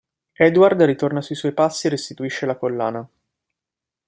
Edward ritorna sui suoi passi e restituisce la collana.